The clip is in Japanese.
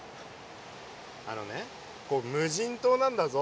あのねここ無人島なんだぞ。